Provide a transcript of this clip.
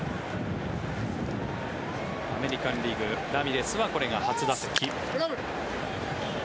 アメリカン・リーグラミレスはこれが初打席。